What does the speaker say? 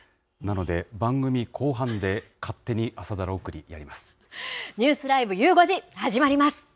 なので、番組後半で勝手に朝ドラ送りやります。